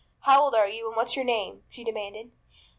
"How old are you and what's your name?" she demanded.